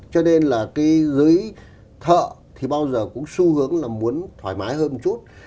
cho nên là cái giới thợ thì bao giờ cũng xu hướng là muốn thoải mái hơn một chút